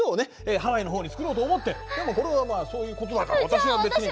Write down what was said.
ハワイのほうに作ろうと思ってでもこれはまあそういうことだから私は別に。